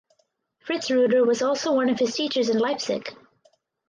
Fritz Reuter was also one of his teachers in Leipzig.